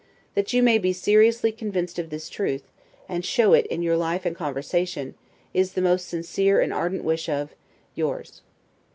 That you may be seriously convinced of this truth, and show it in your life and conversation, is the most sincere and ardent wish of, Yours.